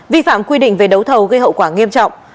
vi phạm quy định về đấu thầu gây hậu quả nghiêm trọng